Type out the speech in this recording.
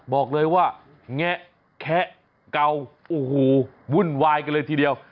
บอกเลยว่าแงะแคะเก่าโอ้โหวุ่นวายกันเลยทีเดียว